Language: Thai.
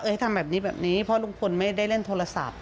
ให้ทำแบบนี้เพราะลุงพลไม่ได้เล่นโทรศัพท์